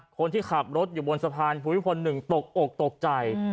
คนที่ขับรถอยู่บนสะพานผู้ผู้ผู้คนหนึ่งตกอกตกใจ